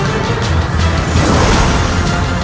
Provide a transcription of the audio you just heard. aku akan mencari dia